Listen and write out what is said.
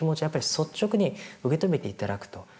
やっぱり率直に受けとめていただくと。